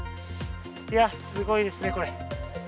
いや、すごいですね、これ。